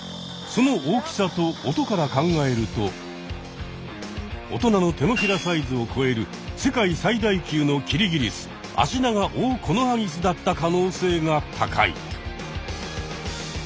その大きさと音から考えると大人の手のひらサイズをこえる世界最大級のキリギリスアシナガオオコノハギスだった可能性が高い。